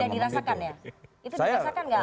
itu dirasakan nggak